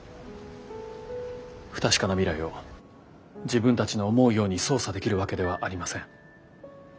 不確かな未来を自分たちの思うように操作できるわけではありません。